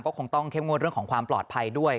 ก็คงต้องเข้มงวดเรื่องของความปลอดภัยด้วย